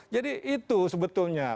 jadi itu sebetulnya